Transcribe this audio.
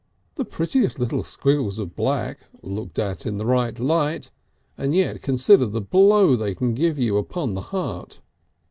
The prettiest little squiggles of black looked at in the right light, and yet consider the blow they can give you upon the heart.